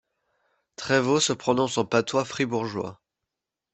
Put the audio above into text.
Treyvaux se prononce en patois fribourgeois.